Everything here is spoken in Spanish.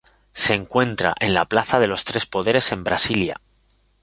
Se encuentra en la Plaza de los Tres Poderes en Brasilia.